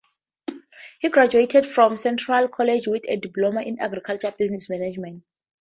He graduated from Centralia College with a diploma in Agricultural Business Management.